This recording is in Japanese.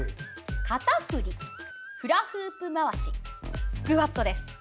肩振り、フラフープ回しスクワットです。